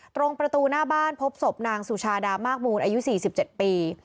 ตรงประตูหน้าบ้านพบศพนางสุชาดามากมูลอายุ๔๗ปี